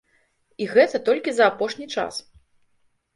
І гэта толькі за апошні час.